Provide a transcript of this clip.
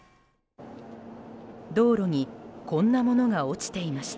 道路にこんなものが落ちていました。